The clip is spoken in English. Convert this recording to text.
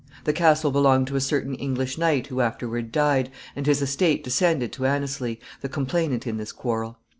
The castle belonged to a certain English knight who afterward died, and his estate descended to Anneslie, the complainant in this quarrel.